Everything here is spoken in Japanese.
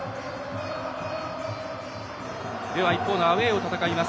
一方のアウェーを戦います